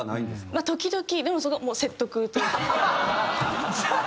まあ時々でもそこはもう説得というか。